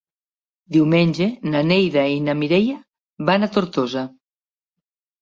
Diumenge na Neida i na Mireia van a Tortosa.